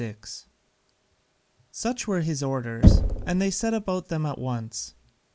6] Such were his orders and they set about them at once.